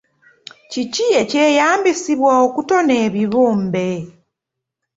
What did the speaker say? Kiki ekyeyambisibwa okutona ebibumbe?